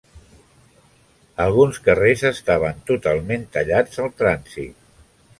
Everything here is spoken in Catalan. Algunes carrers estaven totalment tallats al trànsit.